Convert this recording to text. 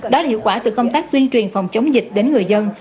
đó là hiệu quả từ công tác tuyên truyền phòng chống dịch đến người dân